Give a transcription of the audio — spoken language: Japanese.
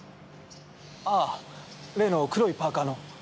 ああ例の黒いパーカーの。